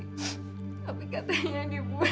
tapi katanya dibuat